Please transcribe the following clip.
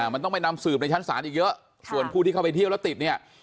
มันต้องไปนำสืบในชั้นศาลอีกเยอะส่วนผู้ที่เข้าไปเที่ยวแล้วติดเนี่ย